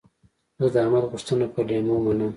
زه د احمد غوښتنه پر لېمو منم.